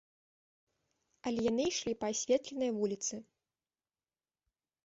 Але яны ішлі па асветленай вуліцы.